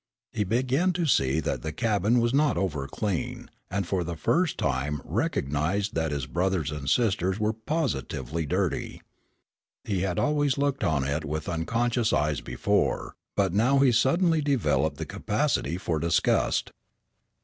He began to see that the cabin was not over clean, and for the first time recognized that his brothers and sisters were positively dirty. He had always looked on it with unconscious eyes before, but now he suddenly developed the capacity for disgust.